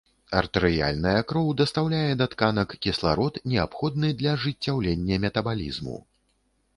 Артэрыяльная кроў дастаўляе да тканак кісларод, неабходны для ажыццяўлення метабалізму.